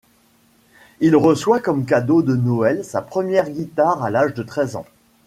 Il reçoit comme cadeau de Noël sa première guitare à l'âge de treize ans.